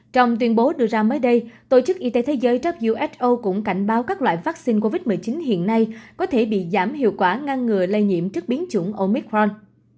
trong tuyên bố đưa ra mới đây tổ chức y tế thế giới who cũng cảnh báo các loại vaccine covid một mươi chín hiện nay có thể bị giảm hiệu quả ngăn ngừa lây nhiễm trước biến chủng omicron